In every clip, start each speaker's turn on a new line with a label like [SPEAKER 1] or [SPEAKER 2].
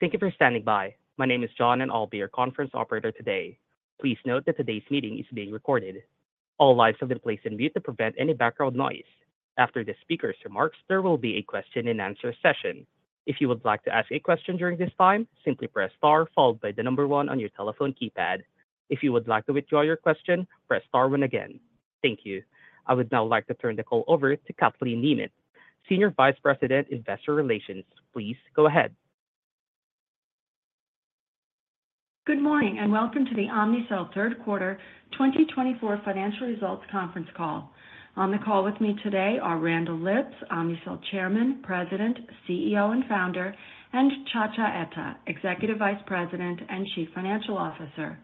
[SPEAKER 1] Thank you for standing by. My name is John, and I'll be your conference operator today. Please note that today's meeting is being recorded. All lines have been placed on mute to prevent any background noise. After this speaker's remarks, there will be a question-and-answer session. If you would like to ask a question during this time, simply press star followed by the number one on your telephone keypad. If you would like to withdraw your question, press star one again. Thank you. I would now like to turn the call over to Kathleen Nemeth, Senior Vice President, Investor Relations. Please go ahead.
[SPEAKER 2] Good morning, and welcome to the Omnicell Third Quarter 2024 Financial Results Conference Call. On the call with me today are Randall Lipps, Omnicell Chairman, President, CEO, and Founder, and Nchacha Etta, Executive Vice President and Chief Financial Officer.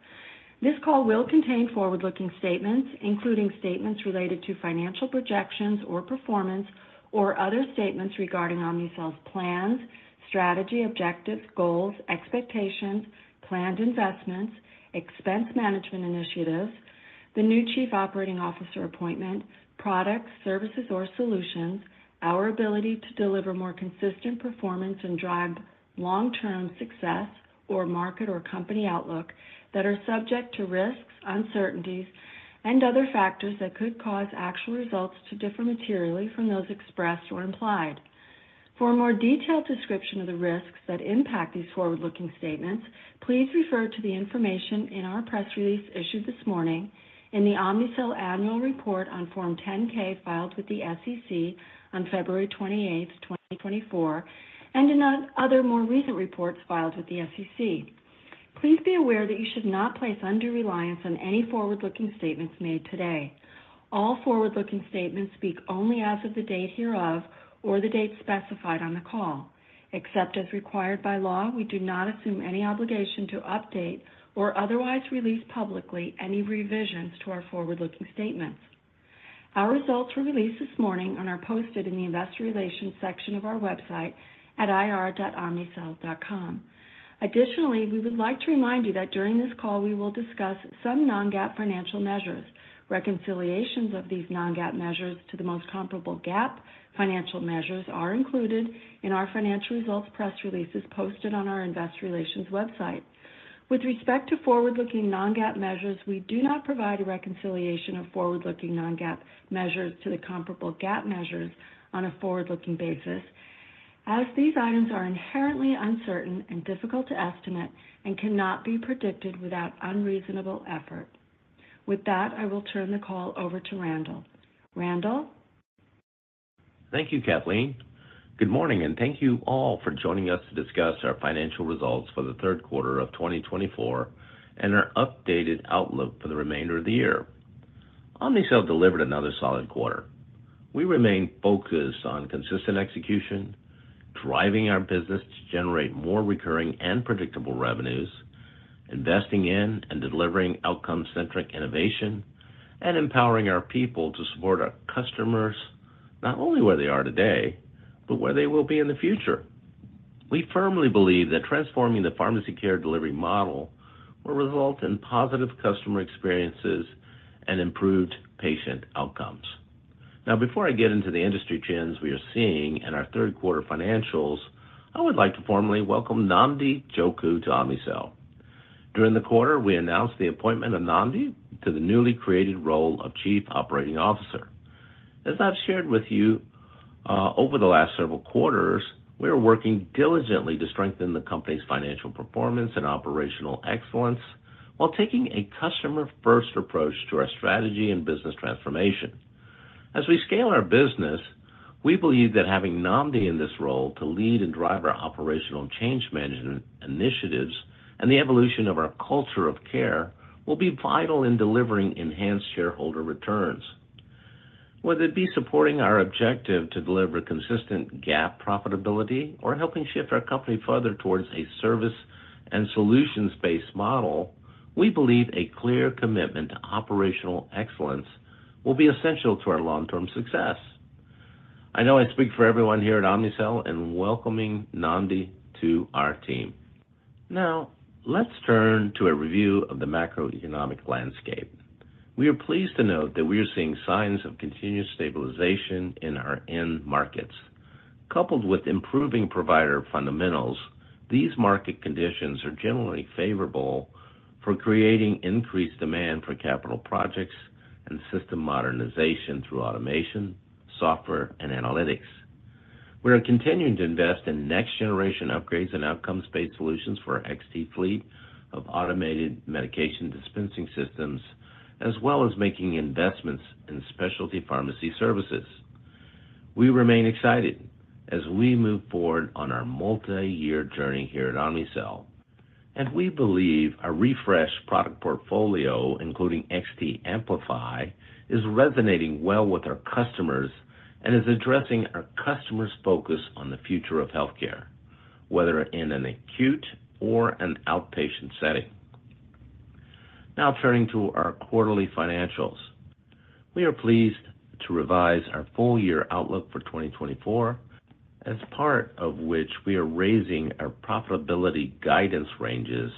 [SPEAKER 2] This call will contain forward-looking statements, including statements related to financial projections or performance or other statements regarding Omnicell's plans, strategy, objectives, goals, expectations, planned investments, expense management initiatives, the new Chief Operating Officer appointment, products, services, or solutions, our ability to deliver more consistent performance and drive long-term success or market or company outlook that are subject to risks, uncertainties, and other factors that could cause actual results to differ materially from those expressed or implied. For a more detailed description of the risks that impact these forward-looking statements, please refer to the information in our press release issued this morning, in the Omnicell Annual Report on Form 10-K filed with the SEC on February 28, 2024, and in other more recent reports filed with the SEC. Please be aware that you should not place undue reliance on any forward-looking statements made today. All forward-looking statements speak only as of the date hereof or the date specified on the call. Except as required by law, we do not assume any obligation to update or otherwise release publicly any revisions to our forward-looking statements. Our results were released this morning and are posted in the Investor Relations section of our website at ir.omnicell.com. Additionally, we would like to remind you that during this call, we will discuss some non-GAAP financial measures. Reconciliations of these non-GAAP measures to the most comparable GAAP financial measures are included in our financial results press releases posted on our Investor Relations website. With respect to forward-looking non-GAAP measures, we do not provide a reconciliation of forward-looking non-GAAP measures to the comparable GAAP measures on a forward-looking basis, as these items are inherently uncertain and difficult to estimate and cannot be predicted without unreasonable effort. With that, I will turn the call over to Randall. Randall.
[SPEAKER 3] Thank you, Kathleen. Good morning, and thank you all for joining us to discuss our financial results for the third quarter of 2024 and our updated outlook for the remainder of the year. Omnicell delivered another solid quarter. We remain focused on consistent execution, driving our business to generate more recurring and predictable revenues, investing in and delivering outcome-centric innovation, and empowering our people to support our customers not only where they are today, but where they will be in the future. We firmly believe that transforming the pharmacy care delivery model will result in positive customer experiences and improved patient outcomes. Now, before I get into the industry trends we are seeing in our third quarter financials, I would like to formally welcome Nnamdi Njoku to Omnicell. During the quarter, we announced the appointment of Nnamdi to the newly created role of Chief Operating Officer. As I've shared with you over the last several quarters, we are working diligently to strengthen the company's financial performance and operational excellence while taking a customer-first approach to our strategy and business transformation. As we scale our business, we believe that having Nnamdi in this role to lead and drive our operational change management initiatives and the evolution of our culture of care will be vital in delivering enhanced shareholder returns. Whether it be supporting our objective to deliver consistent GAAP profitability or helping shift our company further towards a service and solutions-based model, we believe a clear commitment to operational excellence will be essential to our long-term success. I know I speak for everyone here at Omnicell in welcoming Nnamdi to our team. Now, let's turn to a review of the macroeconomic landscape. We are pleased to note that we are seeing signs of continued stabilization in our end markets. Coupled with improving provider fundamentals, these market conditions are generally favorable for creating increased demand for capital projects and system modernization through automation, software, and analytics. We are continuing to invest in next-generation upgrades and outcome-based solutions for our XT fleet of automated medication dispensing systems, as well as making investments in Specialty Pharmacy Services. We remain excited as we move forward on our multi-year journey here at Omnicell, and we believe our refreshed product portfolio, including XT Amplify, is resonating well with our customers and is addressing our customers' focus on the future of healthcare, whether in an acute or an outpatient setting. Now, turning to our quarterly financials, we are pleased to revise our full-year outlook for 2024, as part of which we are raising our profitability guidance ranges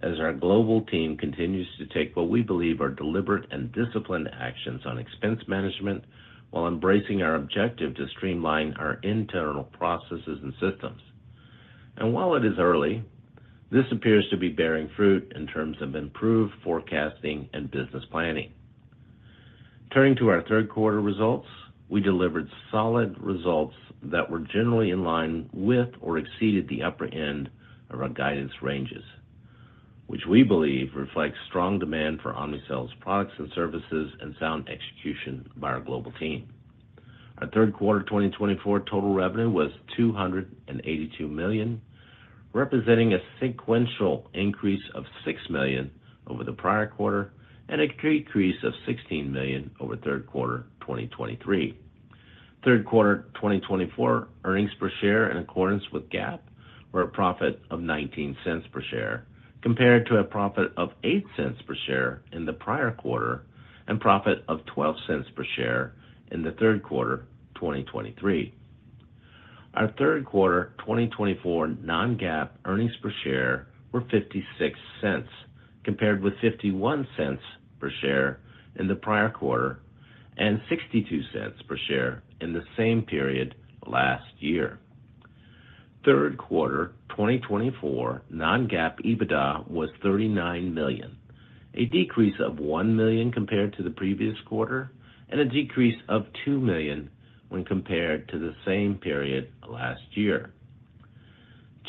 [SPEAKER 3] as our global team continues to take what we believe are deliberate and disciplined actions on expense management while embracing our objective to streamline our internal processes and systems, and while it is early, this appears to be bearing fruit in terms of improved forecasting and business planning. Turning to our third quarter results, we delivered solid results that were generally in line with or exceeded the upper end of our guidance ranges, which we believe reflects strong demand for Omnicell's products and services and sound execution by our global team. Our third quarter 2024 total revenue was $282 million, representing a sequential increase of $6 million over the prior quarter and a decrease of $16 million over third quarter 2023. Third quarter 2024 earnings per share, in accordance with GAAP, were a profit of $0.19 per share compared to a profit of $0.08 per share in the prior quarter and a profit of $0.12 per share in the third quarter 2023. Our third quarter 2024 non-GAAP earnings per share were $0.56 compared with $0.51 per share in the prior quarter and $0.62 per share in the same period last year. Third quarter 2024 non-GAAP EBITDA was $39 million, a decrease of $1 million compared to the previous quarter and a decrease of $2 million when compared to the same period last year.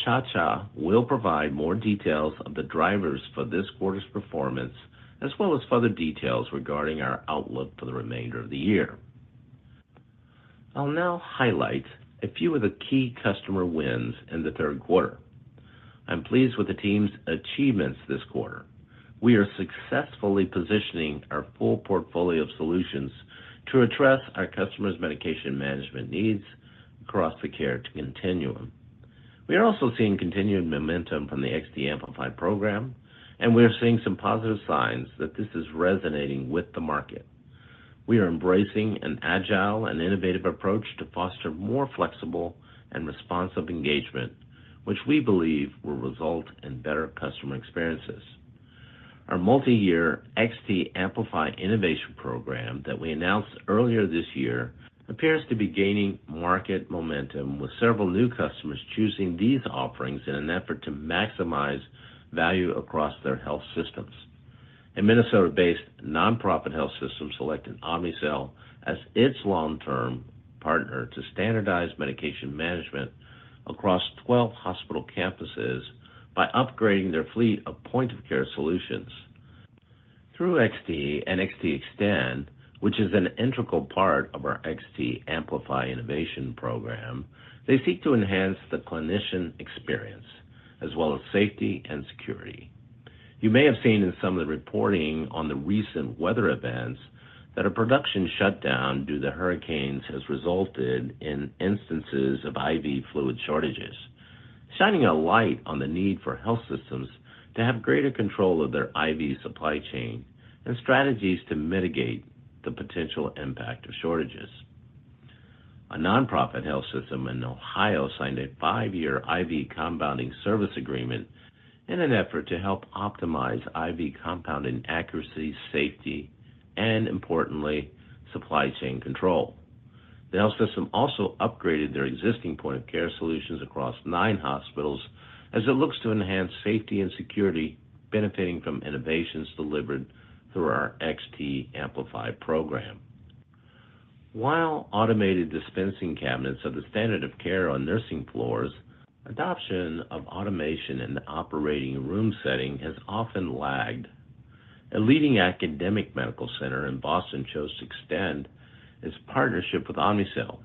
[SPEAKER 3] Nchacha will provide more details of the drivers for this quarter's performance, as well as further details regarding our outlook for the remainder of the year. I'll now highlight a few of the key customer wins in the third quarter. I'm pleased with the team's achievements this quarter. We are successfully positioning our full portfolio of solutions to address our customers' medication management needs across the care continuum. We are also seeing continued momentum from the XT Amplify program, and we are seeing some positive signs that this is resonating with the market. We are embracing an agile and innovative approach to foster more flexible and responsive engagement, which we believe will result in better customer experiences. Our multi-year XT Amplify innovation program that we announced earlier this year appears to be gaining market momentum, with several new customers choosing these offerings in an effort to maximize value across their health systems. A Minnesota-based nonprofit health system selected Omnicell as its long-term partner to standardize medication management across 12 hospital campuses by upgrading their fleet of point-of-care solutions. Through XT and XT Extend, which is an integral part of our XT Amplify innovation program, they seek to enhance the clinician experience as well as safety and security. You may have seen in some of the reporting on the recent weather events that a production shutdown due to hurricanes has resulted in instances of IV fluid shortages, shining a light on the need for health systems to have greater control of their IV supply chain and strategies to mitigate the potential impact of shortages. A nonprofit health system in Ohio signed a five-year IV Compounding Service agreement in an effort to help optimize IV compounding accuracy, safety, and, importantly, supply chain control. The health system also upgraded their existing point-of-care solutions across nine hospitals as it looks to enhance safety and security, benefiting from innovations delivered through our XT Amplify program. While automated dispensing cabinets are the standard of care on nursing floors, adoption of automation in the operating room setting has often lagged. A leading academic medical center in Boston chose to extend its partnership with Omnicell,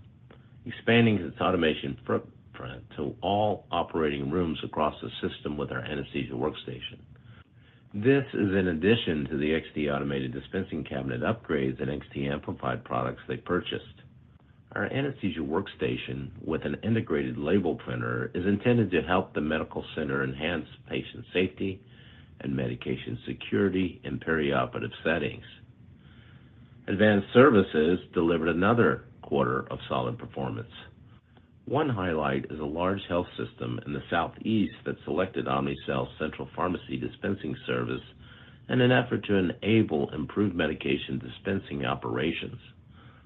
[SPEAKER 3] expanding its automation footprint to all operating rooms across the system with our Anesthesia Workstation. This is in addition to the XT automated dispensing cabinet upgrades and XT Amplify products they purchased. Our Anesthesia Workstation with an integrated label printer is intended to help the medical center enhance patient safety and medication security in perioperative settings. Advanced services delivered another quarter of solid performance. One highlight is a large health system in the Southeast that selected Omnicell's Central Pharmacy Dispensing Service in an effort to enable improved medication dispensing operations.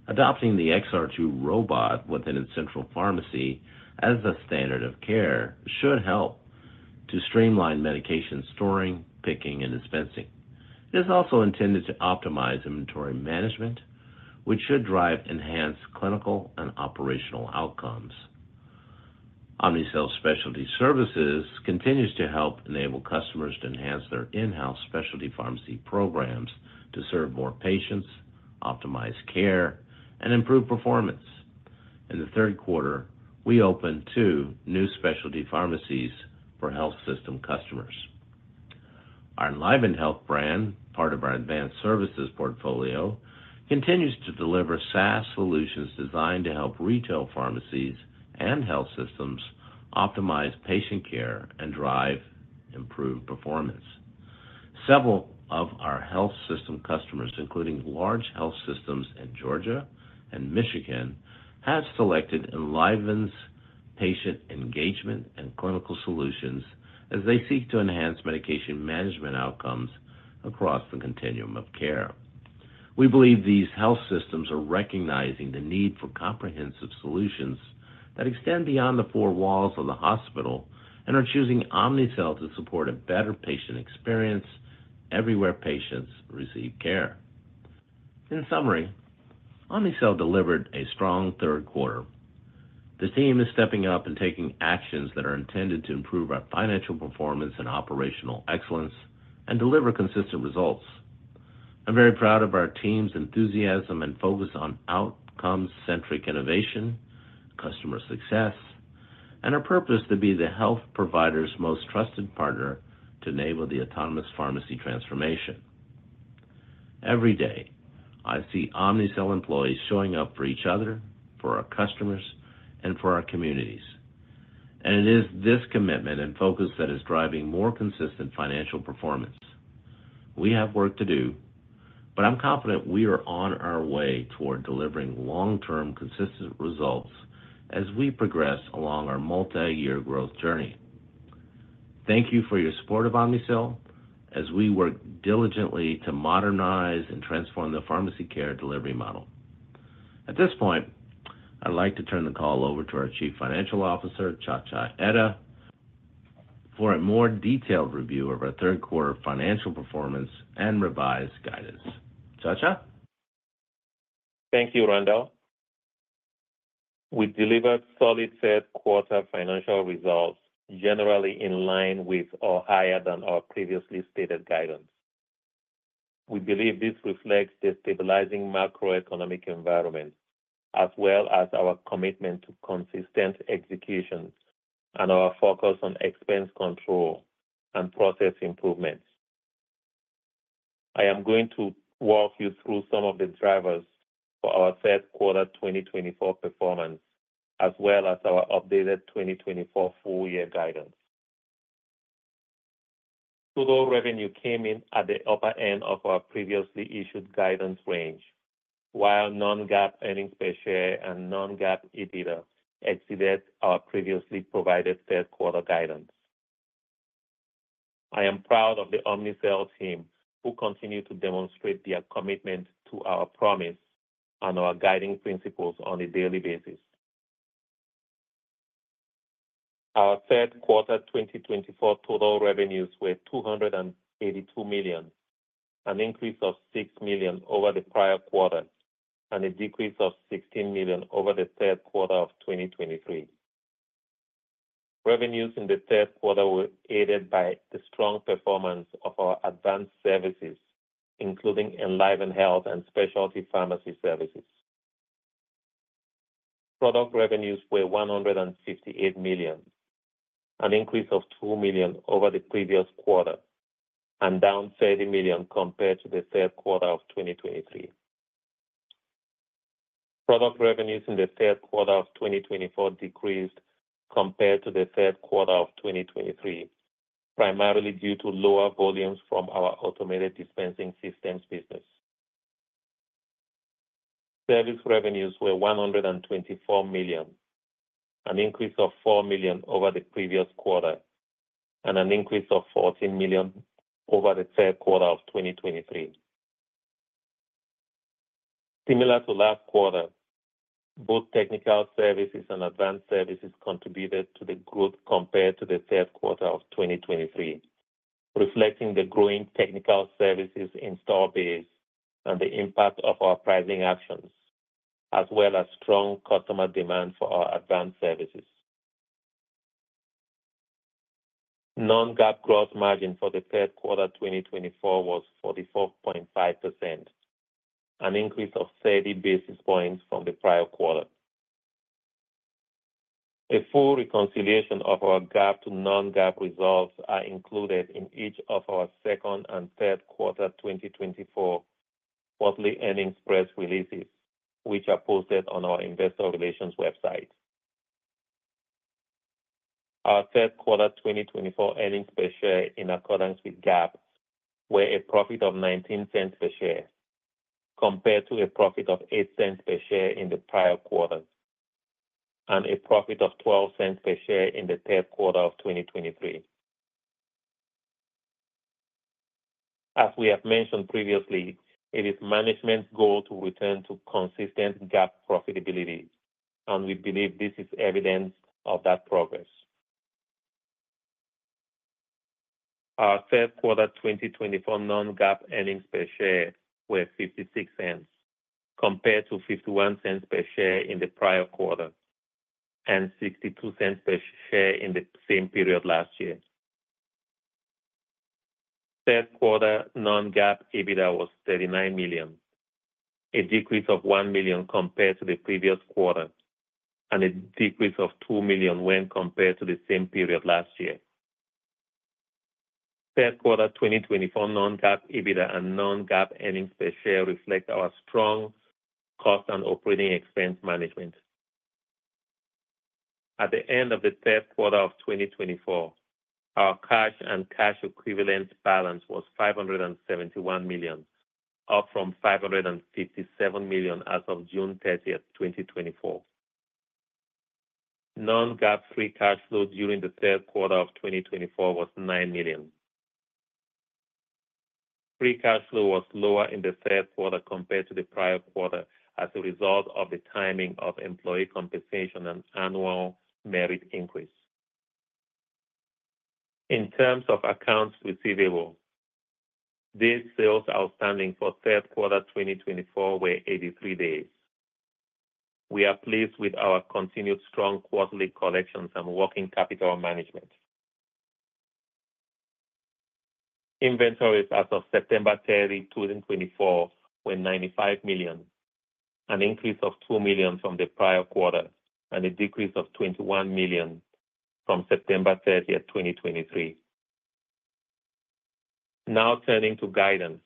[SPEAKER 3] Adopting the XR2 robot within its central pharmacy as a standard of care should help to streamline medication storing, picking, and dispensing. It is also intended to optimize inventory management, which should drive enhanced clinical and operational outcomes. Omnicell Specialty Pharmacy Services continues to help enable customers to enhance their in-house specialty pharmacy programs to serve more patients, optimize care, and improve performance. In the third quarter, we opened two new specialty pharmacies for health system customers. Our EnlivenHealth brand, part of our Advanced Services portfolio, continues to deliver SaaS solutions designed to help retail pharmacies and health systems optimize patient care and drive improved performance. Several of our health system customers, including large health systems in Georgia and Michigan, have selected EnlivenHealth's patient engagement and clinical solutions as they seek to enhance medication management outcomes across the continuum of care. We believe these health systems are recognizing the need for comprehensive solutions that extend beyond the four walls of the hospital and are choosing Omnicell to support a better patient experience everywhere patients receive care. In summary, Omnicell delivered a strong third quarter. The team is stepping up and taking actions that are intended to improve our financial performance and operational excellence and deliver consistent results. I'm very proud of our team's enthusiasm and focus on outcome-centric innovation, customer success, and our purpose to be the health provider's most trusted partner to enable the autonomous pharmacy transformation. Every day, I see Omnicell employees showing up for each other, for our customers, and for our communities. And it is this commitment and focus that is driving more consistent financial performance. We have work to do, but I'm confident we are on our way toward delivering long-term consistent results as we progress along our multi-year growth journey. Thank you for your support of Omnicell as we work diligently to modernize and transform the pharmacy care delivery model. At this point, I'd like to turn the call over to our Chief Financial Officer, Nchacha Etta, for a more detailed review of our third quarter financial performance and revised guidance. Nchacha? Thank you, Randall. We delivered solid third-quarter financial results, generally in line with or higher than our previously stated guidance. We believe this reflects the stabilizing macroeconomic environment, as well as our commitment to consistent execution and our focus on expense control and process improvements. I am going to walk you through some of the drivers for our third quarter 2024 performance, as well as our updated 2024 full-year guidance. Total revenue came in at the upper end of our previously issued guidance range, while non-GAAP earnings per share and non-GAAP EBITDA exceeded our previously provided third-quarter guidance. I am proud of the Omnicell team, who continue to demonstrate their commitment to our promise and our guiding principles on a daily basis. Our third quarter 2024 total revenues were $282 million, an increase of $6 million over the prior quarter and a decrease of $16 million over the third quarter of 2023. Revenues in the third quarter were aided by the strong performance of our advanced services, including EnlivenHealth and specialty pharmacy services. Product revenues were $158 million, an increase of $2 million over the previous quarter and down $30 million compared to the third quarter of 2023. Product revenues in the third quarter of 2024 decreased compared to the third quarter of 2023, primarily due to lower volumes from our automated dispensing systems business. Service revenues were $124 million, an increase of $4 million over the previous quarter and an increase of $14 million over the third quarter of 2023. Similar to last quarter, both Technical Services and advanced services contributed to the growth compared to the third quarter of 2023, reflecting the growing Technical Services in store base and the impact of our pricing actions, as well as strong customer demand for our advanced services. Non-GAAP gross margin for the third quarter 2024 was 44.5%, an increase of 30 basis points from the prior quarter. A full reconciliation of our GAAP to non-GAAP results is included in each of our second and third quarter 2024 quarterly earnings press releases, which are posted on our Investor Relations website. Our third quarter 2024 earnings per share, in accordance with GAAP, were a profit of $0.19 per share compared to a profit of $0.08 per share in the prior quarter and a profit of $0.12 per share in the third quarter of 2023. As we have mentioned previously, it is management's goal to return to consistent GAAP profitability, and we believe this is evidence of that progress. Our third quarter 2024 non-GAAP earnings per share were $0.56 compared to $0.51 per share in the prior quarter and $0.62 per share in the same period last year. Third quarter non-GAAP EBITDA was $39 million, a decrease of $1 million compared to the previous quarter and a decrease of $2 million when compared to the same period last year. Third quarter 2024 non-GAAP EBITDA and non-GAAP earnings per share reflect our strong cost and operating expense management. At the end of the third quarter of 2024, our cash and cash equivalent balance was $571 million, up from $557 million as of June 30, 2024. Non-GAAP free cash flow during the third quarter of 2024 was $9 million. Free cash flow was lower in the third quarter compared to the prior quarter as a result of the timing of employee compensation and annual merit increase. In terms of accounts receivable, days sales outstanding for third quarter 2024 were 83 days. We are pleased with our continued strong quarterly collections and working capital management. Inventories as of September 30, 2024, were $95 million, an increase of $2 million from the prior quarter and a decrease of $21 million from September 30, 2023. Now turning to guidance.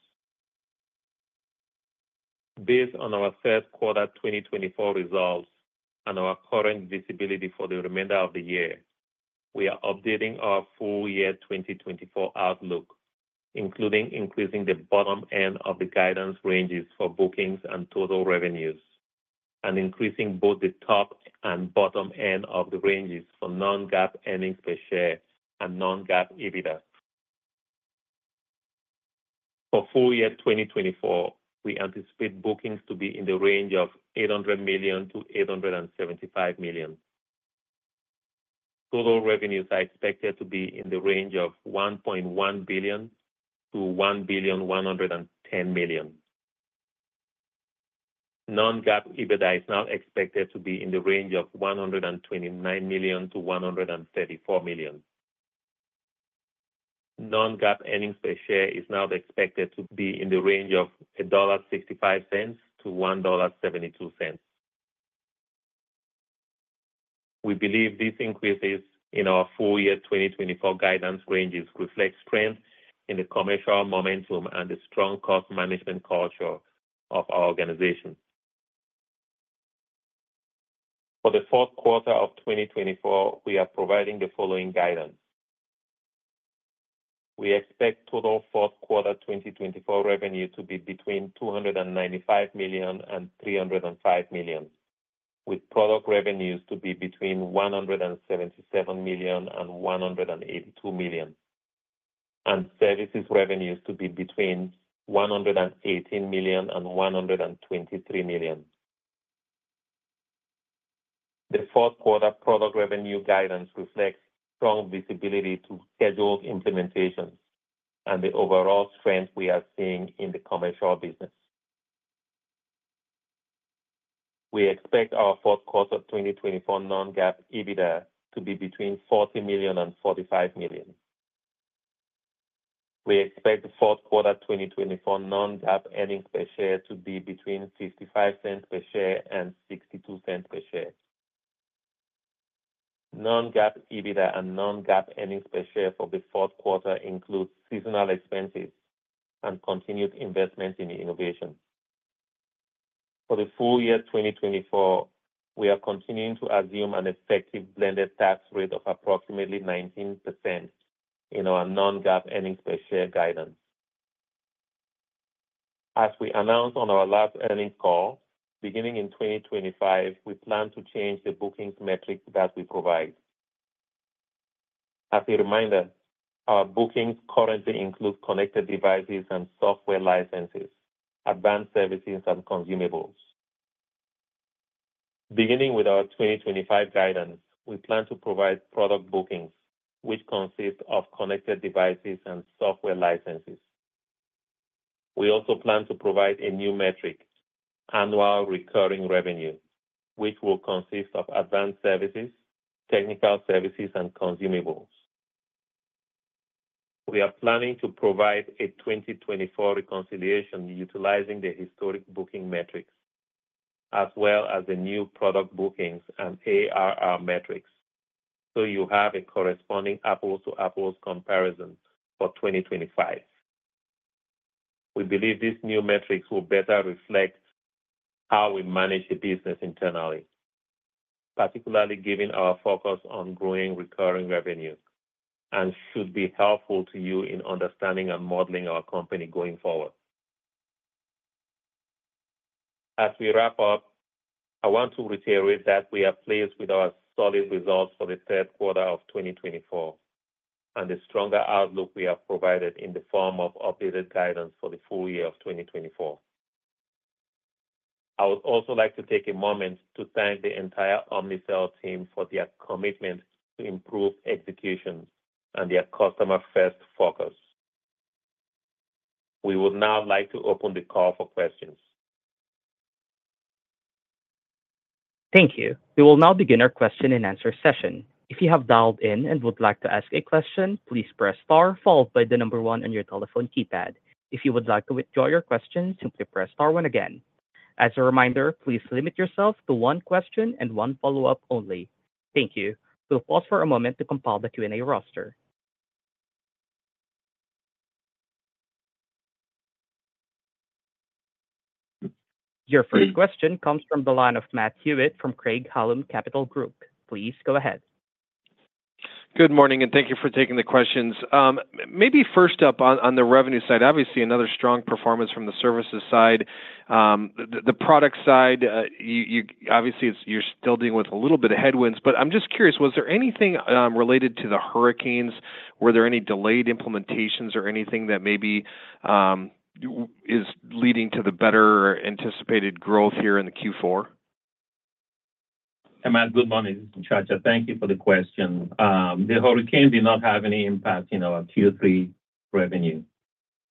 [SPEAKER 3] Based on our third quarter 2024 results and our current visibility for the remainder of the year, we are updating our full-year 2024 outlook, including increasing the bottom end of the guidance ranges for bookings and total revenues and increasing both the top and bottom end of the ranges for non-GAAP earnings per share and non-GAAP EBITDA. For full-year 2024, we anticipate bookings to be in the range of $800 million-$875 million. Total revenues are expected to be in the range of $1.1 billion-$1,110 million. Non-GAAP EBITDA is now expected to be in the range of $129 million-$134 million. Non-GAAP earnings per share is now expected to be in the range of $1.65-$1.72. We believe these increases in our full-year 2024 guidance ranges reflect strength in the commercial momentum and the strong cost management culture of our organization. For the fourth quarter of 2024, we are providing the following guidance. We expect total fourth quarter 2024 revenue to be between $295 million and $305 million, with product revenues to be between $177 million and $182 million, and services revenues to be between $118 million and $123 million. The fourth quarter product revenue guidance reflects strong visibility to scheduled implementations and the overall strength we are seeing in the commercial business. We expect our fourth quarter 2024 non-GAAP EBITDA to be between $40 million and $45 million. We expect the fourth quarter 2024 non-GAAP earnings per share to be between $0.55 per share and $0.62 per share. Non-GAAP EBITDA and non-GAAP earnings per share for the fourth quarter include seasonal expenses and continued investment in innovation. For the full year 2024, we are continuing to assume an effective blended tax rate of approximately 19% in our non-GAAP earnings per share guidance. As we announced on our last earnings call, beginning in 2025, we plan to change the bookings metrics that we provide. As a reminder, our bookings currently include connected devices and software licenses, advanced services, and consumables. Beginning with our 2025 guidance, we plan to provide product bookings, which consist of connected devices and software licenses. We also plan to provide a new metric, annual recurring revenue, which will consist of advanced services, technical services, and consumables. We are planning to provide a 2024 reconciliation utilizing the historic booking metrics, as well as the new product bookings and ARR metrics, so you have a corresponding apples-to-apples comparison for 2025. We believe these new metrics will better reflect how we manage the business internally, particularly given our focus on growing recurring revenue, and should be helpful to you in understanding and modeling our company going forward. As we wrap up, I want to reiterate that we are pleased with our solid results for the third quarter of 2024 and the stronger outlook we have provided in the form of updated guidance for the full year of 2024. I would also like to take a moment to thank the entire Omnicell team for their commitment to improved execution and their customer-first focus. We would now like to open the call for questions. Thank you.
[SPEAKER 1] We will now begin our question-and-answer session. If you have dialed in and would like to ask a question, please press star followed by the number one on your telephone keypad. If you would like to withdraw your question, simply press star one again. As a reminder, please limit yourself to one question and one follow-up only. Thank you. We'll pause for a moment to compile the Q&A roster. Your first question comes from the line of Matt Hewitt from Craig-Hallum Capital Group. Please go ahead.
[SPEAKER 4] Good morning, and thank you for taking the questions. Maybe first up on the revenue side, obviously another strong performance from the services side. The product side, obviously you're still dealing with a little bit of headwinds, but I'm just curious, was there anything related to the hurricanes? Were there any delayed implementations or anything that maybe is leading to the better anticipated growth here in the Q4?
[SPEAKER 5] Matt Goodman, this is Nchacha. Thank you for the question. The hurricanes did not have any impact in our Q3 revenue.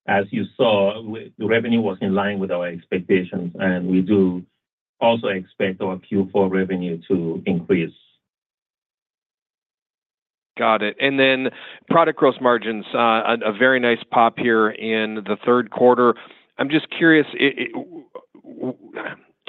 [SPEAKER 5] As you saw, the revenue was in line with our expectations, and we do also expect our Q4 revenue to increase. Got it. And then product gross margins, a very nice pop here in the third quarter. I'm just curious, do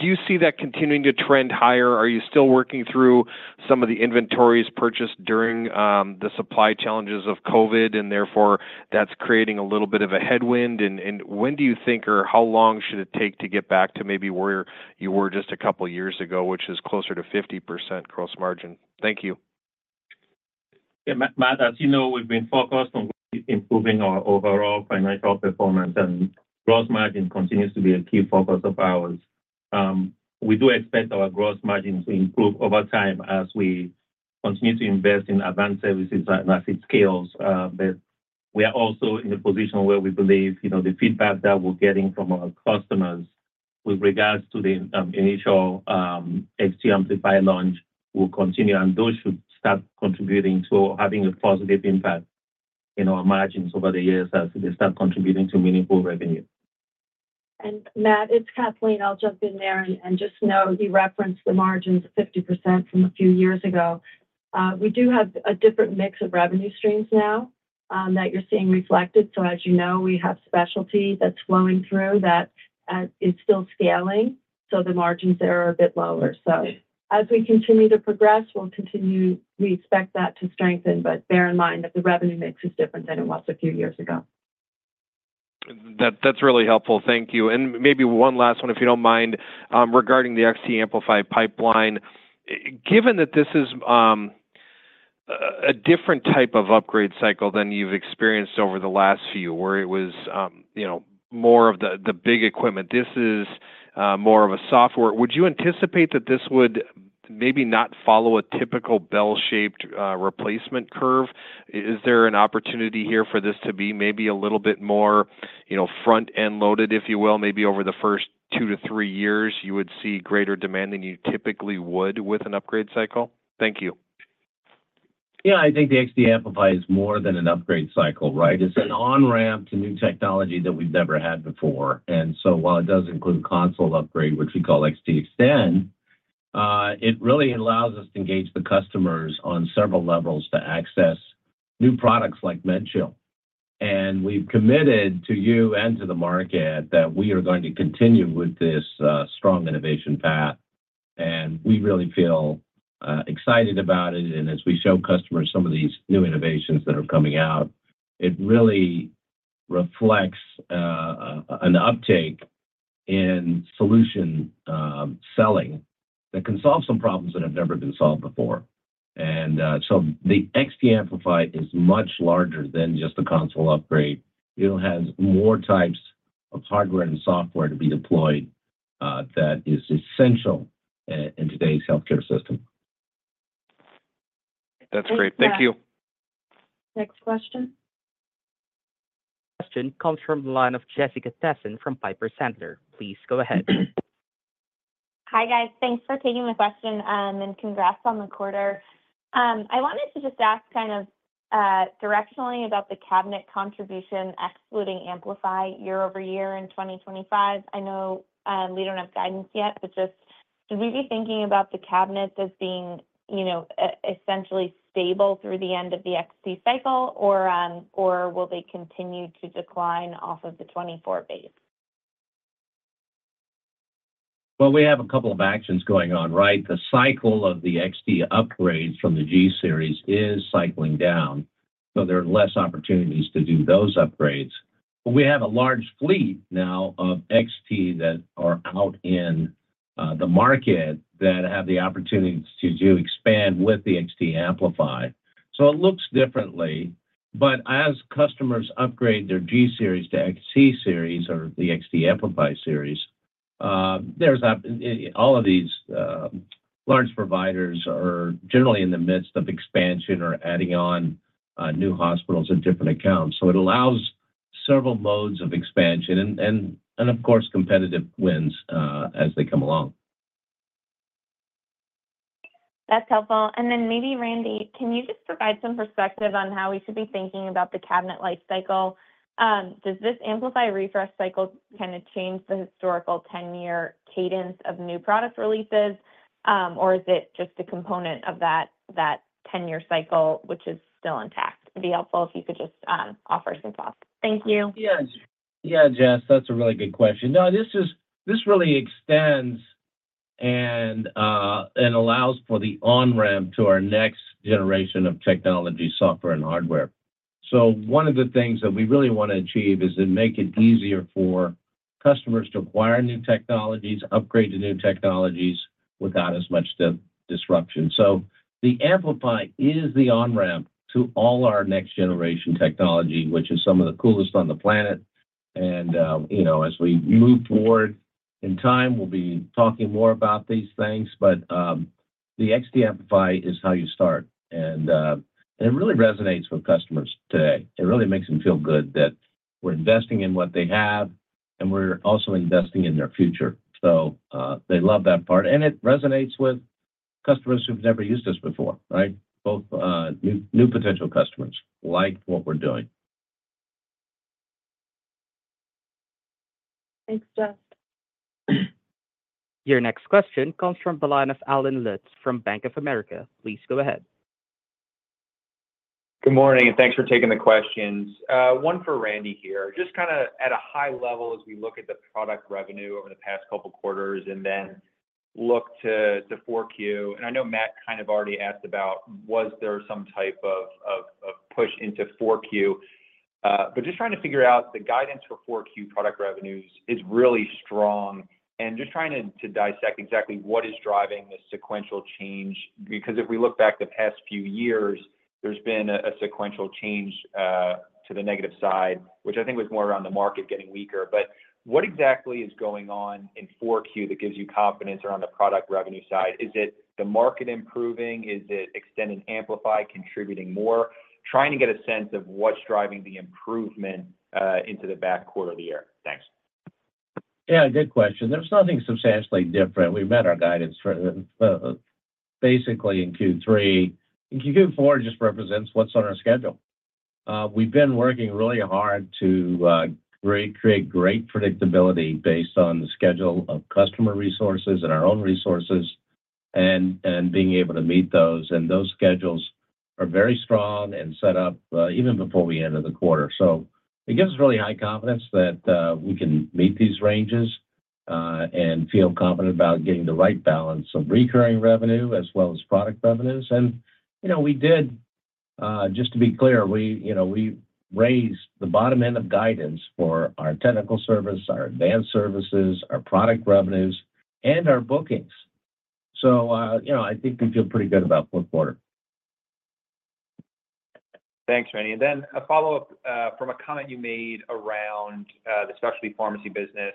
[SPEAKER 5] you see that continuing to trend higher? Are you still working through some of the inventories purchased during the supply challenges of COVID, and therefore that's creating a little bit of a headwind? And when do you think, or how long should it take to get back to maybe where you were just a couple of years ago, which is closer to 50% gross margin? Thank you.
[SPEAKER 3] Yeah, Matt, as you know, we've been focused on improving our overall financial performance, and gross margin continues to be a key focus of ours. We do expect our gross margin to improve over time as we continue to invest in advanced services and as it scales. But we are also in a position where we believe the feedback that we're getting from our customers with regards to the initial XT Amplify launch will continue, and those should start contributing to having a positive impact in our margins over the years as they start contributing to meaningful revenue.
[SPEAKER 2] And Matt, it's Kathleen. I'll jump in there and just note you referenced the margins of 50% from a few years ago. We do have a different mix of revenue streams now that you're seeing reflected. So as you know, we have specialty that's flowing through that is still scaling, so the margins there are a bit lower. So as we continue to progress, we'll continue to expect that to strengthen, but bear in mind that the revenue mix is different than it was a few years ago.
[SPEAKER 4] That's really helpful. Thank you. And maybe one last one, if you don't mind, regarding the XT Amplify pipeline. Given that this is a different type of upgrade cycle than you've experienced over the last few, where it was more of the big equipment, this is more of a software. Would you anticipate that this would maybe not follow a typical bell-shaped replacement curve? Is there an opportunity here for this to be maybe a little bit more front-end loaded, if you will, maybe over the first two to three years, you would see greater demand than you typically would with an upgrade cycle? Thank you. Yeah, I think the XT Amplify is more than an upgrade cycle, right? It's an on-ramp to new technology that we've never had before. And so while it does include console upgrade, which we call XT Extend, it really allows us to engage the customers on several levels to access new products like MedChill. And we've committed to you and to the market that we are going to continue with this strong innovation path, and we really feel excited about it. And as we show customers some of these new innovations that are coming out, it really reflects an uptake in solution selling that can solve some problems that have never been solved before. And so the XT Amplify is much larger than just a console upgrade. It has more types of hardware and software to be deployed that is essential in today's healthcare system. That's great. Thank you.
[SPEAKER 1] Next question. Question comes from the line of Jessica Tassan from Piper Sandler. Please go ahead.
[SPEAKER 6] Hi guys. Thanks for taking the question and congrats on the quarter. I wanted to just ask kind of directionally about the cabinet contribution excluding Amplify year over year in 2025. I know we don't have guidance yet, but just should we be thinking about the cabinets as being essentially stable through the end of the XT cycle, or will they continue to decline off of the 2024 base?
[SPEAKER 3] Well, we have a couple of actions going on, right? The cycle of the XT upgrades from the G series is cycling down, so there are less opportunities to do those upgrades. But we have a large fleet now of XT that are out in the market that have the opportunities to expand with the XT Amplify. So it looks differently, but as customers upgrade their G series to XT series or the XT Amplify series, all of these large providers are generally in the midst of expansion or adding on new hospitals and different accounts. So it allows several modes of expansion and, of course, competitive wins as they come along.
[SPEAKER 6] That's helpful. And then maybe, Randy, can you just provide some perspective on how we should be thinking about the cabinet life cycle? Does this Amplify refresh cycle kind of change the historical 10-year cadence of new product releases, or is it just a component of that 10-year cycle, which is still intact? It'd be helpful if you could just offer some thoughts. Thank you.
[SPEAKER 1] Yeah, Jess, that's a really good question. No, this really extends and allows for the on-ramp to our next generation of technology, software, and hardware. So one of the things that we really want to achieve is to make it easier for customers to acquire new technologies, upgrade to new technologies without as much disruption. So the Amplify is the on-ramp to all our next generation technology, which is some of the coolest on the planet. And as we move forward in time, we'll be talking more about these things, but the XT Amplify is how you start, and it really resonates with customers today. It really makes them feel good that we're investing in what they have, and we're also investing in their future. So they love that part, and it resonates with customers who've never used this before, right? Both new potential customers like what we're doing. Thanks, Jess. Your next question comes from the line of Allen Lutz from Bank of America. Please go ahead. Good morning, and thanks for taking the questions. One for Randy here. Just kind of at a high level as we look at the product revenue over the past couple of quarters and then look to 4Q. And I know Matt kind of already asked about. Was there some type of push into 4Q? Just trying to figure out the guidance for Q4 product revenues is really strong. And just trying to dissect exactly what is driving this sequential change, because if we look back the past few years, there's been a sequential change to the negative side, which I think was more around the market getting weaker. But what exactly is going on in Q4 that gives you confidence around the product revenue side? Is it the market improving? Is it XT Extend and XT Amplify contributing more? Trying to get a sense of what's driving the improvement into the back quarter of the year. Thanks.
[SPEAKER 7] Yeah, good question. There's nothing substantially different. We met our guidance basically in Q3. Q4 just represents what's on our schedule. We've been working really hard to create great predictability based on the schedule of customer resources and our own resources and being able to meet those. Those schedules are very strong and set up even before we enter the quarter. It gives us really high confidence that we can meet these ranges and feel confident about getting the right balance of recurring revenue as well as product revenues. We did, just to be clear, raise the bottom end of guidance for our technical services, our advanced services, our product revenues, and our bookings. I think we feel pretty good about fourth quarter. Thanks, Randy. Then a follow-up from a comment you made around the specialty pharmacy business.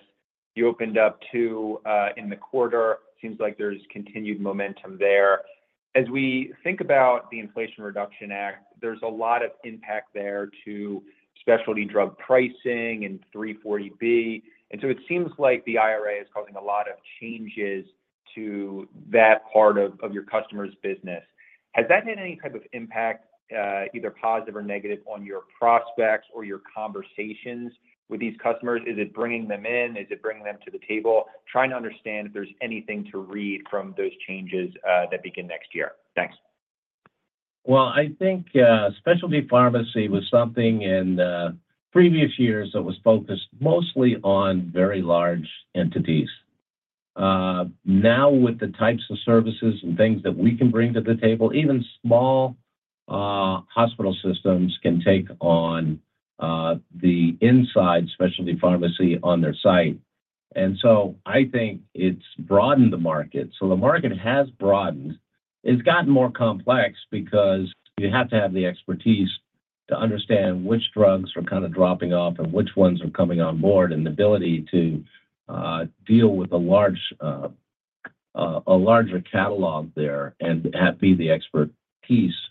[SPEAKER 7] You opened up, too, in the quarter. It seems like there's continued momentum there. As we think about the Inflation Reduction Act, there's a lot of impact there to specialty drug pricing and 340B. So it seems like the IRA is causing a lot of changes to that part of your customer's business. Has that had any type of impact, either positive or negative, on your prospects or your conversations with these customers? Is it bringing them in? Is it bringing them to the table? Trying to understand if there's anything to read from those changes that begin next year. Thanks. I think specialty pharmacy was something in previous years that was focused mostly on very large entities. Now, with the types of services and things that we can bring to the table, even small hospital systems can take on the in-house specialty pharmacy on their site. So I think it's broadened the market. So the market has broadened.
[SPEAKER 3] It's gotten more complex because you have to have the expertise to understand which drugs are kind of dropping off and which ones are coming on board and the ability to deal with a larger catalog there and be the expertise for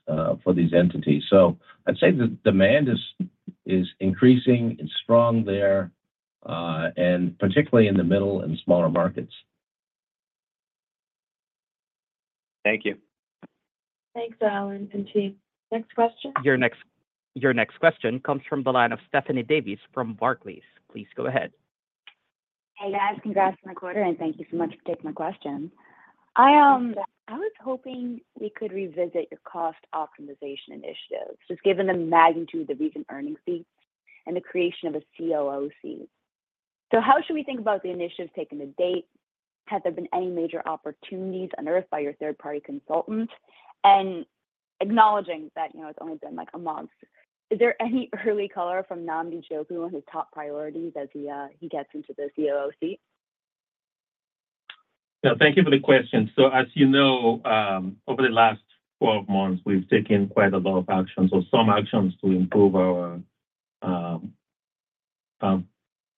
[SPEAKER 3] these entities. So I'd say the demand is increasing. It's strong there, and particularly in the middle and smaller markets. Thank you. Thanks, Allen. And team, next question. Your next question comes from the line of Stephanie Davis from Barclays. Please go ahead. Hey, guys. Congrats on the quarter, and thank you so much for taking my question. I was hoping we could revisit your cost optimization initiative, just given the magnitude of the recent earnings beats and the creation of a COO. So how should we think about the initiative taken to date? Has there been any major opportunities unearthed by your third-party consultant? Acknowledging that it's only been like a month, is there any early color from Nnamdi Njoku on his top priorities as he gets into the COO? Yeah, thank you for the question. So as you know, over the last 12 months, we've taken quite a lot of actions, or some actions to improve our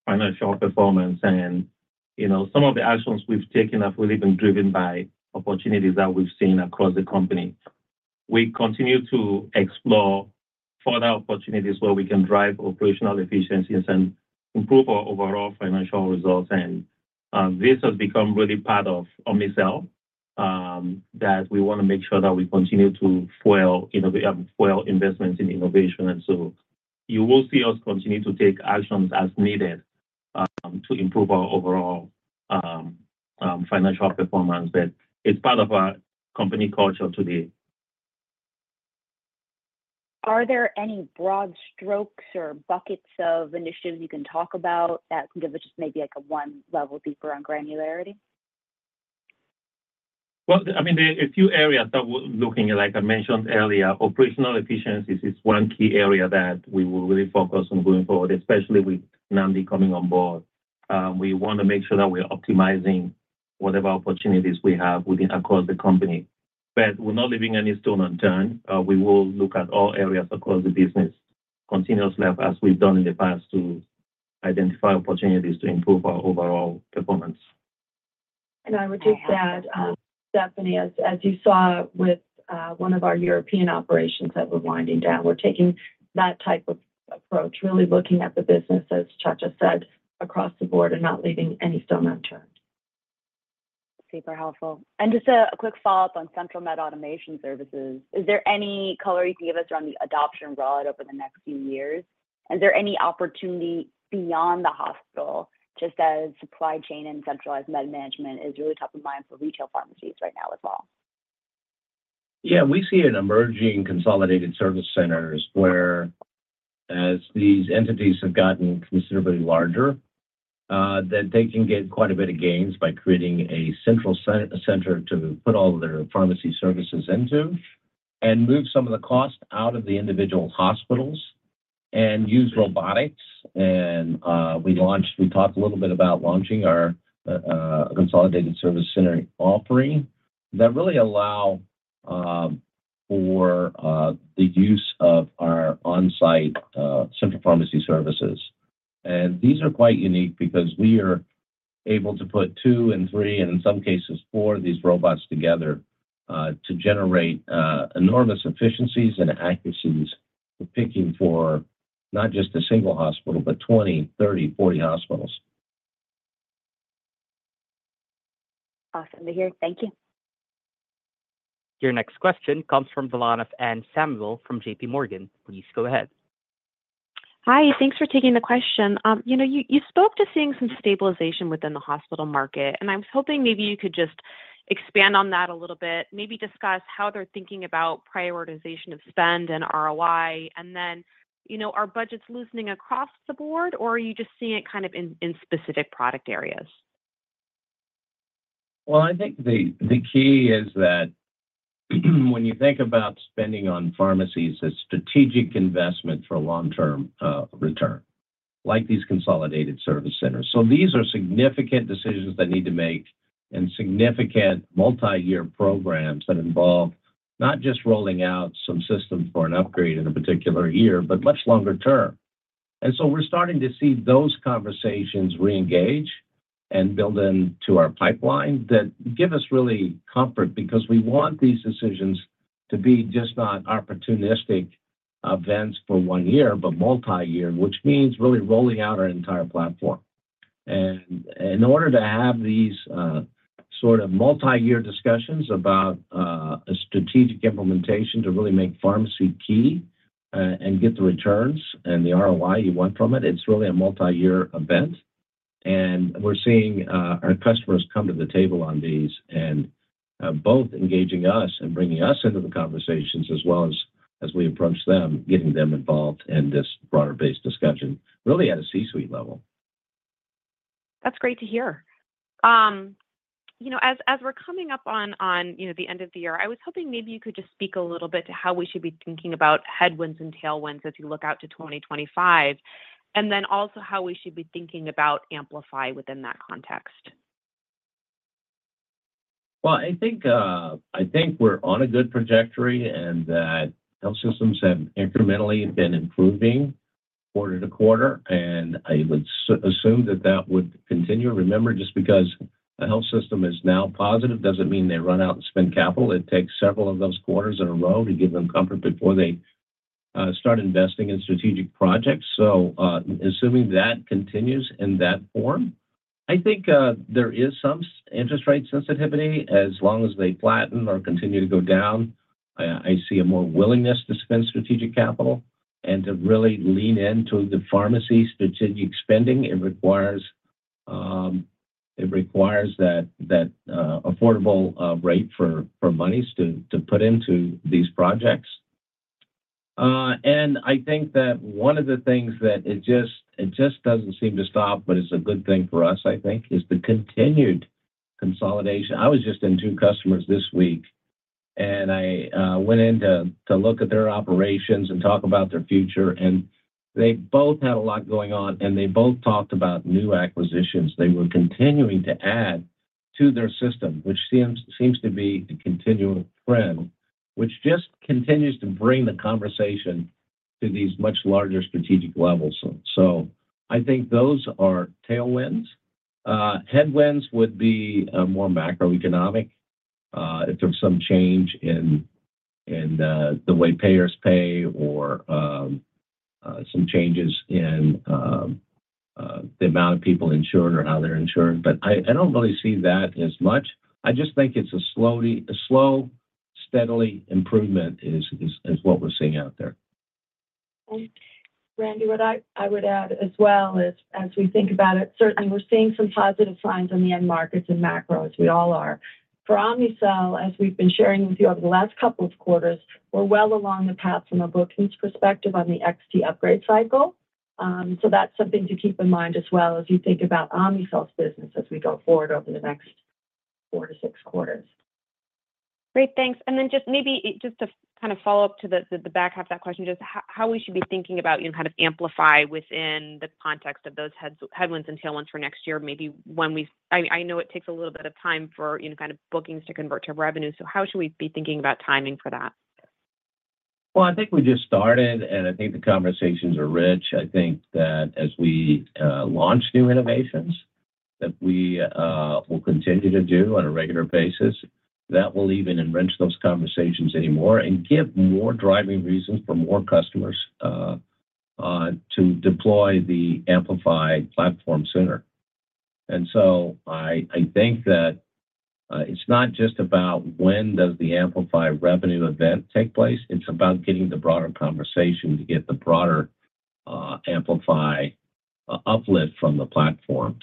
[SPEAKER 3] financial performance. And some of the actions we've taken have really been driven by opportunities that we've seen across the company. We continue to explore further opportunities where we can drive operational efficiencies and improve our overall financial results. And this has become really part of our mission that we want to make sure that we continue to fuel investments in innovation. And so you will see us continue to take actions as needed to improve our overall financial performance, but it's part of our company culture today. Are there any broad strokes or buckets of initiatives you can talk about that can give us just maybe like a one level deeper on granularity? Well, I mean, there are a few areas that we're looking at, like I mentioned earlier. Operational efficiency is one key area that we will really focus on going forward, especially with Nnamdi coming on board. We want to make sure that we're optimizing whatever opportunities we have across the company. But we're not leaving any stone unturned. We will look at all areas across the business continuously, as we've done in the past, to identify opportunities to improve our overall performance. And I would just add, Stephanie, as you saw with one of our European operations that we're winding down, we're taking that type of approach, really looking at the business, as Nchacha said, across the board and not leaving any stone unturned. Super helpful. Just a quick follow-up on Central Med Automation Services. Is there any color you can give us around the adoption rate over the next few years? Is there any opportunity beyond the hospital, just as supply chain and centralized med management is really top of mind for retail pharmacies right now as well? Yeah, we see an emerging consolidated service centers where, as these entities have gotten considerably larger, that they can get quite a bit of gains by creating a central center to put all their pharmacy services into and move some of the cost out of the individual hospitals and use robotics. We talked a little bit about launching our consolidated service center offering that really allows for the use of our on-site central pharmacy services. And these are quite unique because we are able to put two and three, and in some cases, four of these robots together to generate enormous efficiencies and accuracies for picking for not just a single hospital, but 20, 30, 40 hospitals. Awesome to hear. Thank you. Your next question comes from Anne Samuel from J.P. Morgan. Please go ahead. Hi. Thanks for taking the question. You spoke to seeing some stabilization within the hospital market, and I was hoping maybe you could just expand on that a little bit, maybe discuss how they're thinking about prioritization of spend and ROI, and then are budgets loosening across the board, or are you just seeing it kind of in specific product areas? Well, I think the key is that when you think about spending on pharmacies as strategic investment for long-term return, like these consolidated service centers. So these are significant decisions that need to make and significant multi-year programs that involve not just rolling out some system for an upgrade in a particular year, but much longer term. And so we're starting to see those conversations reengage and build into our pipeline that give us really comfort because we want these decisions to be just not opportunistic events for one year, but multi-year, which means really rolling out our entire platform. And in order to have these sort of multi-year discussions about a strategic implementation to really make pharmacy key and get the returns and the ROI you want from it, it's really a multi-year event. And we're seeing our customers come to the table on these and both engaging us and bringing us into the conversations as well as we approach them, getting them involved in this broader-based discussion, really at a C-suite level. That's great to hear. As we're coming up on the end of the year, I was hoping maybe you could just speak a little bit to how we should be thinking about headwinds and tailwinds as you look out to 2025, and then also how we should be thinking about Amplify within that context. Well, I think we're on a good trajectory and that health systems have incrementally been improving quarter to quarter, and I would assume that that would continue. Remember, just because a health system is now positive doesn't mean they run out and spend capital. It takes several of those quarters in a row to give them comfort before they start investing in strategic projects. So assuming that continues in that form, I think there is some interest rate sensitivity. As long as they flatten or continue to go down, I see a more willingness to spend strategic capital and to really lean into the pharmacy strategic spending. It requires that affordable rate for monies to put into these projects, and I think that one of the things that it just doesn't seem to stop, but it's a good thing for us, I think, is the continued consolidation. I was just in two customers this week, and I went in to look at their operations and talk about their future, and they both had a lot going on, and they both talked about new acquisitions. They were continuing to add to their system, which seems to be a continual trend, which just continues to bring the conversation to these much larger strategic levels, so I think those are tailwinds. Headwinds would be more macroeconomic if there's some change in the way payers pay or some changes in the amount of people insured or how they're insured. But I don't really see that as much. I just think it's a slow, steadily improvement is what we're seeing out there.
[SPEAKER 5] Randy, what I would add as well is, as we think about it, certainly we're seeing some positive signs in the end markets and macro, as we all are. For Omnicell, as we've been sharing with you over the last couple of quarters, we're well along the path from a bookings perspective on the XT upgrade cycle. So that's something to keep in mind as we think about Omnicell's business as we go forward over the next four to six quarters. Great. Thanks. And then just maybe just to kind of follow up to the back half of that question, just how we should be thinking about kind of Amplify within the context of those headwinds and tailwinds for next year, maybe when we, I know it takes a little bit of time for kind of bookings to convert to revenue. So how should we be thinking about timing for that? Well, I think we just started, and I think the conversations are rich. I think that as we launch new innovations that we will continue to do on a regular basis, that will even enrich those conversations even more and give more driving reasons for more customers to deploy the Amplify platform sooner. And so I think that it's not just about when does the Amplify revenue event take place. It's about getting the broader conversation to get the broader Amplify uplift from the platform.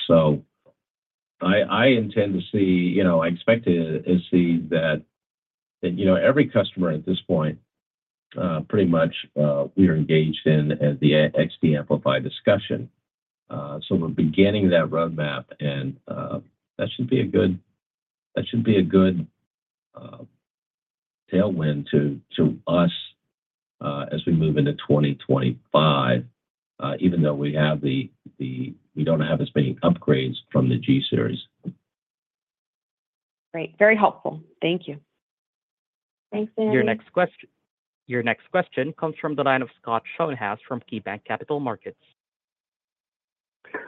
[SPEAKER 5] So I intend to see—I expect to see that every customer at this point, pretty much we are engaged in the XT Amplify discussion. So we're beginning that roadmap, and that should be a good—that should be a good tailwind to us as we move into 2025, even though we have the—we don't have as many upgrades from the G series. Great. Very helpful. Thank you. Thanks, Dan. Your next question comes from the line of Scott Schoenhaus from KeyBanc Capital Markets.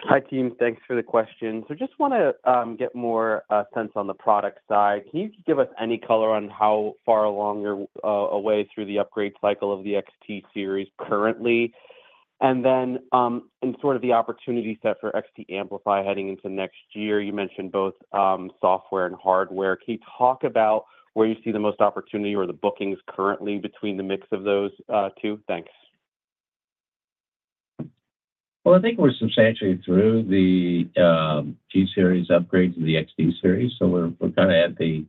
[SPEAKER 5] Hi, team. Thanks for the question. So just want to get more sense on the product side. Can you give us any color on how far along you are through the upgrade cycle of the XT series currently?
[SPEAKER 3] And then in sort of the opportunity set for XT Amplify heading into next year, you mentioned both software and hardware. Can you talk about where you see the most opportunity or the bookings currently between the mix of those two? Thanks. Well, I think we're substantially through the G series upgrade to the XT series. So we're kind of at the,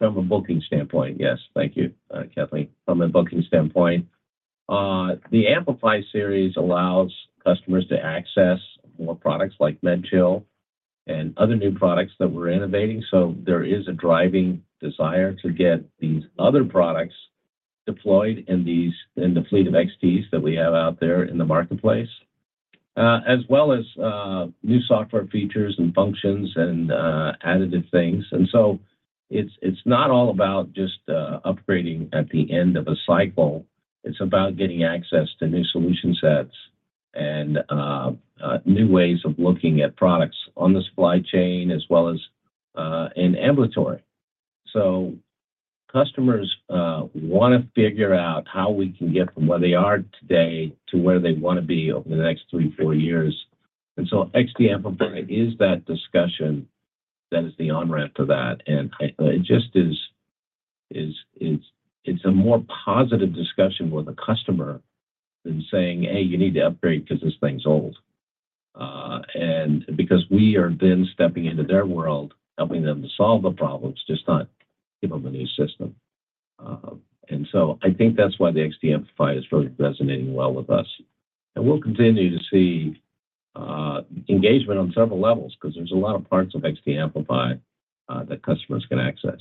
[SPEAKER 3] from a booking standpoint, yes. Thank you, Kathleen. From a booking standpoint, the Amplify series allows customers to access more products like MedChill and other new products that we're innovating. So there is a driving desire to get these other products deployed in the fleet of XTs that we have out there in the marketplace, as well as new software features and functions and additive things. And so it's not all about just upgrading at the end of a cycle. It's about getting access to new solution sets and new ways of looking at products on the supply chain as well as in ambulatory, so customers want to figure out how we can get from where they are today to where they want to be over the next three, four years, and so XT Amplify is that discussion that is the onramp to that, and it just is a more positive discussion with a customer than saying, "Hey, you need to upgrade because this thing's old," and because we are then stepping into their world, helping them to solve the problems, just not give them a new system, and so I think that's why the XT Amplify is really resonating well with us, and we'll continue to see engagement on several levels because there's a lot of parts of XT Amplify that customers can access.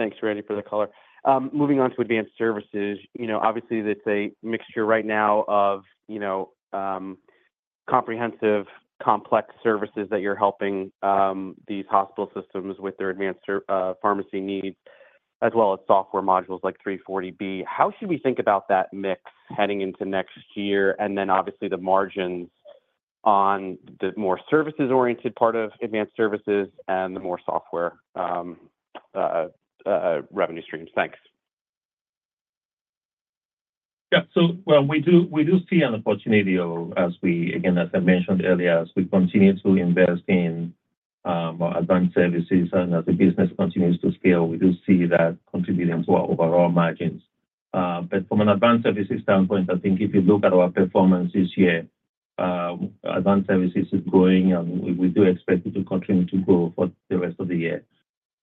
[SPEAKER 3] Thanks, Randy, for the color. Moving on to advanced services, obviously there's a mixture right now of comprehensive, complex services that you're helping these hospital systems with their advanced pharmacy needs, as well as software modules like 340B. How should we think about that mix heading into next year and then obviously the margins on the more services-oriented part of advanced services and the more software revenue streams? Thanks. Yeah. So we do see an opportunity as we, again, as I mentioned earlier, as we continue to invest in advanced services and as the business continues to scale, we do see that contributing to our overall margins. But from an advanced services standpoint, I think if you look at our performance this year, advanced services is growing, and we do expect it to continue to grow for the rest of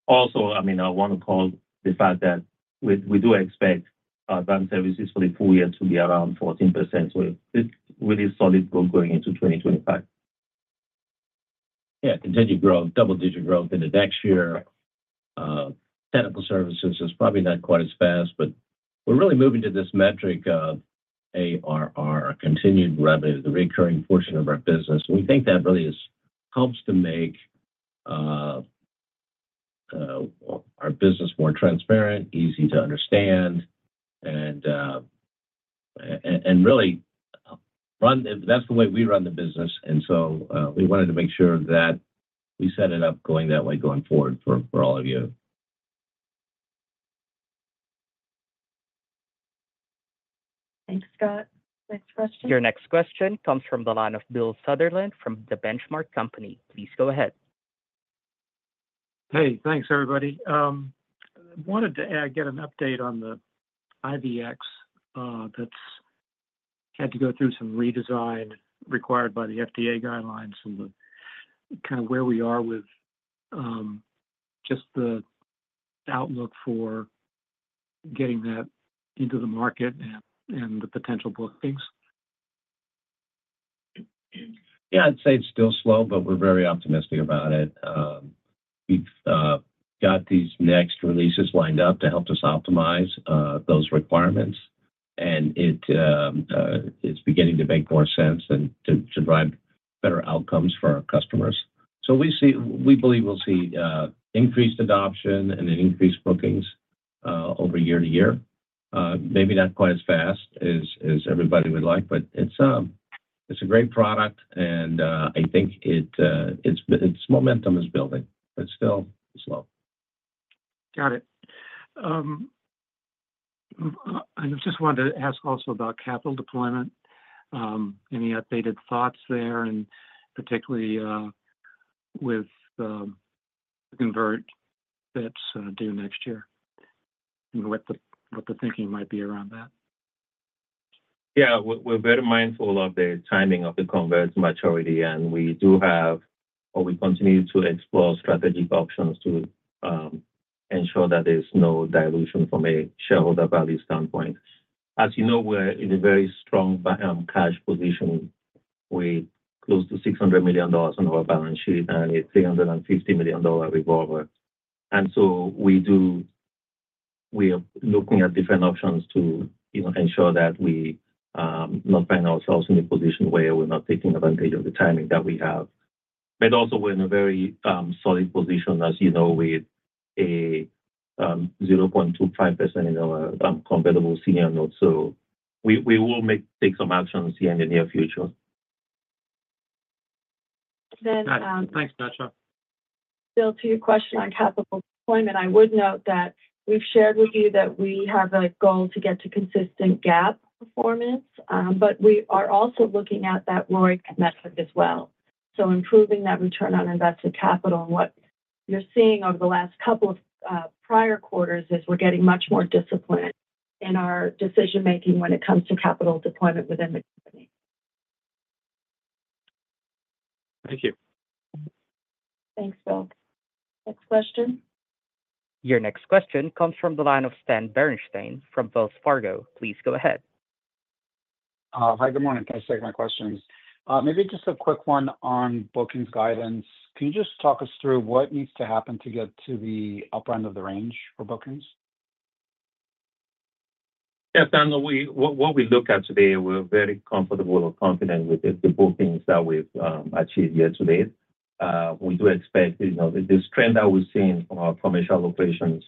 [SPEAKER 3] the year. Also, I mean, I want to call out the fact that we do expect our advanced services for the full year to be around 14%. So it's really solid growth going into 2025. Yeah. Continued growth, double-digit growth into next year. Technical services is probably not quite as fast, but we're really moving to this metric of ARR, our continued revenue, the recurring portion of our business. We think that really helps to make our business more transparent, easy to understand, and really run, that's the way we run the business. And so we wanted to make sure that we set it up going that way going forward for all of you. Thanks, Scott. Next question. Your next question comes from the line of Bill Sutherland from The Benchmark Company. Please go ahead. Hey, thanks, everybody.
[SPEAKER 7] I wanted to get an update on the IVX that's had to go through some redesign required by the FDA guidelines and kind of where we are with just the outlook for getting that into the market and the potential bookings? Yeah. I'd say it's still slow, but we're very optimistic about it. We've got these next releases lined up to help us optimize those requirements, and it's beginning to make more sense and to drive better outcomes for our customers. So we believe we'll see increased adoption and increased bookings over year to year. Maybe not quite as fast as everybody would like, but it's a great product, and I think its momentum is building, but still slow. Got it.
[SPEAKER 3] I just wanted to ask also about capital deployment, any updated thoughts there, and particularly with the convert that's due next year and what the thinking might be around that. Yeah. We're very mindful of the timing of the convert's maturity, and we do have—or we continue to explore strategic options to ensure that there's no dilution from a shareholder value standpoint. As you know, we're in a very strong cash position. We're close to $600 million on our balance sheet and a $350 million revolver. And so we are looking at different options to ensure that we not find ourselves in a position where we're not taking advantage of the timing that we have. But also, we're in a very solid position, as you know, with a 0.25% in our convertible senior note. So we will take some actions here in the near future. Thanks, Natasha. Bill, to your question on capital deployment, I would note that we've shared with you that we have a goal to get to consistent GAAP performance, but we are also looking at that ROIC metric as well. So improving that return on invested capital, and what you're seeing over the last couple of prior quarters is we're getting much more discipline in our decision-making when it comes to capital deployment within the company. Thank you. Thanks, Bill. Next question. Your next question comes from the line of Stan Berenshteyn from Wells Fargo. Please go ahead. Hi, good morning. Can I just take my questions? Maybe just a quick one on bookings guidance. Can you just talk us through what needs to happen to get to the upper end of the range for bookings? Yeah. What we look at today, we're very comfortable or confident with the bookings that we've achieved yesterday. We do expect this trend that we've seen from our commercial locations,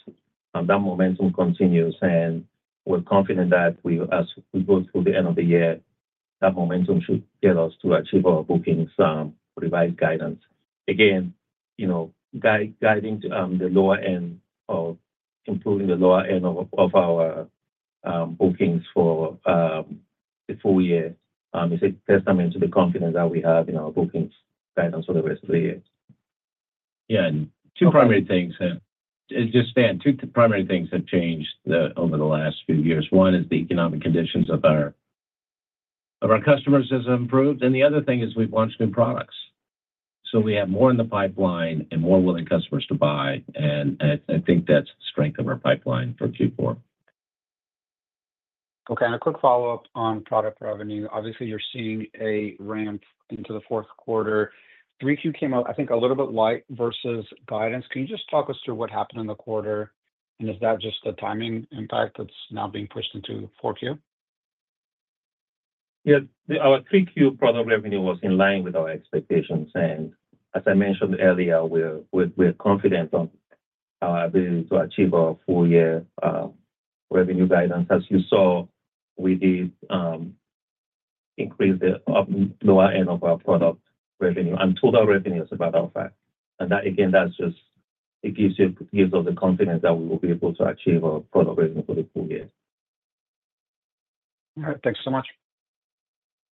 [SPEAKER 3] that momentum continues, and we're confident that as we go through the end of the year, that momentum should get us to achieve our bookings revised guidance. Again, guiding the lower end or improving the lower end of our bookings for the full year is a testament to the confidence that we have in our bookings guidance for the rest of the year. Yeah. And two primary things—just, Stan, two primary things have changed over the last few years. One is the economic conditions of our customers have improved, and the other thing is we've launched new products. So we have more in the pipeline and more willing customers to buy, and I think that's the strength of our pipeline for Q4. Okay. And a quick follow-up on product revenue. Obviously, you're seeing a ramp into the fourth quarter. 3Q came out, I think, a little bit light versus guidance. Can you just talk us through what happened in the quarter? And is that just the timing impact that's now being pushed into 4Q? Yeah. Our 3Q product revenue was in line with our expectations, and as I mentioned earlier, we're confident on our ability to achieve our full-year revenue guidance. As you saw, we did increase the lower end of our product revenue, and total revenue is about our forecast. And that, again, that's just it gives us the confidence that we will be able to achieve our product revenue for the full year. All right.
[SPEAKER 7] Thanks so much.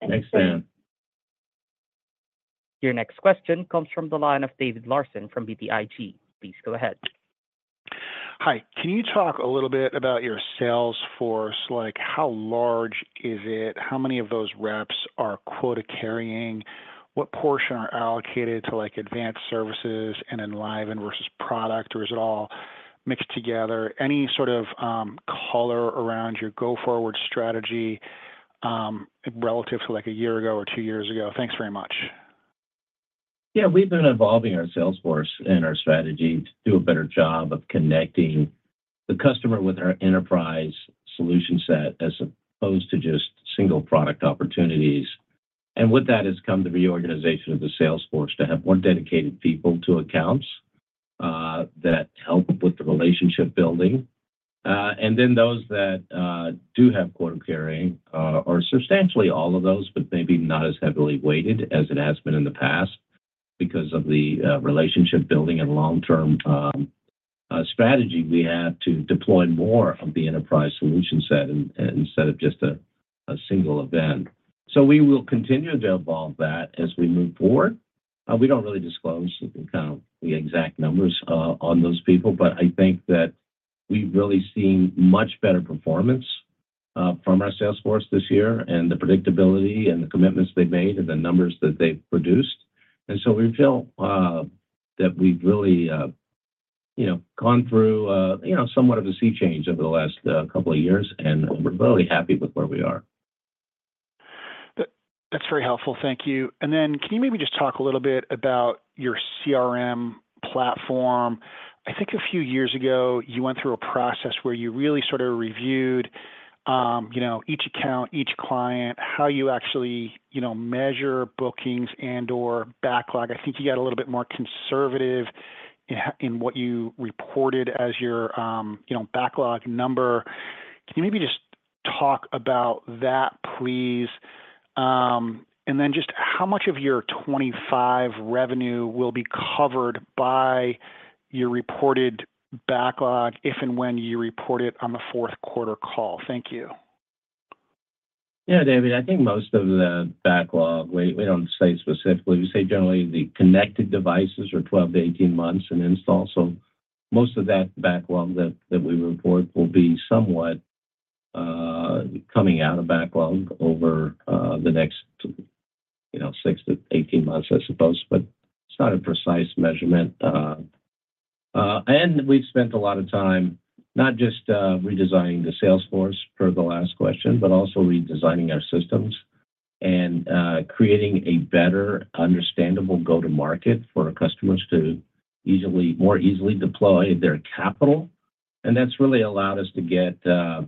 [SPEAKER 7] Thanks, Stan. Your next question comes from the line of David Larsen from BTIG. Please go ahead. Hi. Can you talk a little bit about your sales force? How large is it? How many of those reps are quota carrying? What portion are allocated to advanced services and Enliven versus product, or is it all mixed together? Any sort of color around your go-forward strategy relative to a year ago or two years ago? Thanks very much. Yeah. We've been evolving our sales force and our strategy to do a better job of connecting the customer with our enterprise solution set as opposed to just single product opportunities. And with that has come the reorganization of the sales force to have more dedicated people to accounts that help with the relationship building. And then those that do have quota carrying are substantially all of those, but maybe not as heavily weighted as it has been in the past because of the relationship building and long-term strategy we have to deploy more of the enterprise solution set instead of just a single event. So we will continue to evolve that as we move forward. We don't really disclose kind of the exact numbers on those people, but I think that we've really seen much better performance from our sales force this year and the predictability and the commitments they've made and the numbers that they've produced. And so we feel that we've really gone through somewhat of a sea change over the last couple of years, and we're really happy with where we are. That's very helpful. Thank you. And then can you maybe just talk a little bit about your CRM platform? I think a few years ago, you went through a process where you really sort of reviewed each account, each client, how you actually measure bookings and/or backlog. I think you got a little bit more conservative in what you reported as your backlog number. Can you maybe just talk about that, please? And then just how much of your 2025 revenue will be covered by your reported backlog if and when you report it on the fourth quarter call? Thank you. Yeah, David, I think most of the backlog. We don't say specifically. We say generally the connected devices are 12-18 months in install. So most of that backlog that we report will be somewhat coming out of backlog over the next 6-18 months, I suppose, but it's not a precise measurement. And we've spent a lot of time not just redesigning the sales force for the last question, but also redesigning our systems and creating a better understandable go-to-market for our customers to more easily deploy their capital. And that's really allowed us to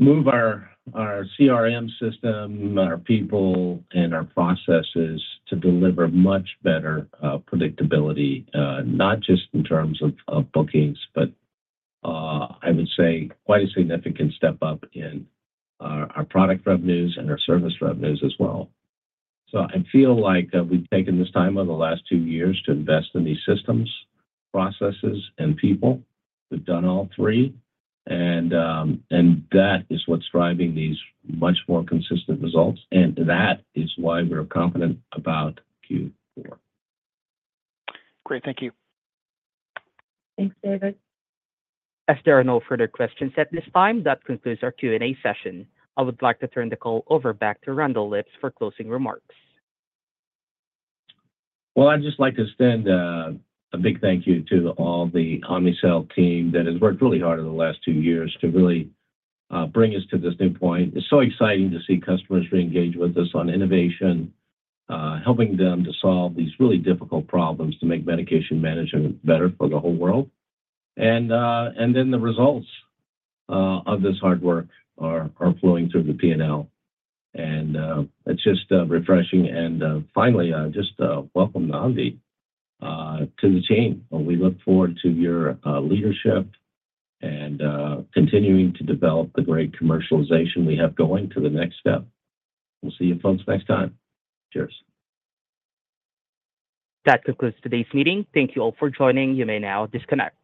[SPEAKER 7] move our CRM system, our people, and our processes to deliver much better predictability, not just in terms of bookings, but I would say quite a significant step up in our product revenues and our service revenues as well. So I feel like we've taken this time over the last two years to invest in these systems, processes, and people. We've done all three, and that is what's driving these much more consistent results. And that is why we're confident about Q4. Great. Thank you. Thanks, David. As there are no further questions at this time, that concludes our Q&A session.
[SPEAKER 3] I would like to turn the call over back to Randall Lipps for closing remarks. Well, I'd just like to extend a big thank you to all the Omnicell team that has worked really hard in the last two years to really bring us to this new point. It's so exciting to see customers re-engage with us on innovation, helping them to solve these really difficult problems to make medication management better for the whole world, and then the results of this hard work are flowing through the P&L, and it's just refreshing, and finally, just welcome Nandi to the team. We look forward to your leadership and continuing to develop the great commercialization we have going to the next step. We'll see you folks next time. Cheers. That concludes today's meeting. Thank you all for joining. You may now disconnect.